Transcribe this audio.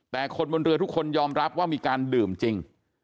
แต่คนบนเรือทุกคนยอมรับว่ามีการดื่มจริง